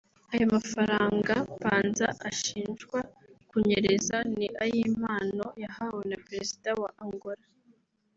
Ayo mafaranga Panza ashinjwa kunyereza ni ay’impano yahawe na Perezida wa Angola